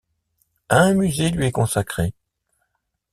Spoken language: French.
Un musée lui est consacré.